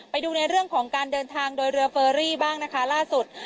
ไปดูในเรื่องของการเดินทางโดยเรือเฟอรี่บ้างนะคะล่าสุด